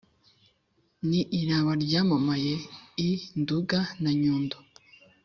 Ni iraba ryamamaye i Nduga na Nyundo.